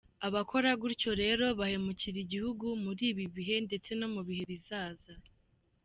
Abakora gutyo rero bahemukira igihugu muri ibi bihe ndetse no mubihe bizaza.